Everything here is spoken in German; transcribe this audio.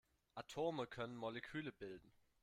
Atome können Moleküle bilden.